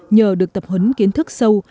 nhờ được tập huấn kiến thức sâu